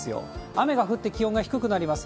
雨が降って気温が低くなります。